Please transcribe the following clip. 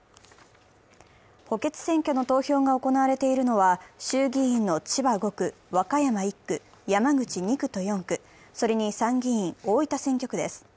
補欠選挙の投票が行われているのは衆議院の千葉５区、和歌山１区、山口２区と４区、それに参議院大分選挙区です。